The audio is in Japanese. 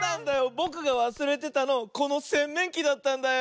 ぼくがわすれてたのこのせんめんきだったんだよ。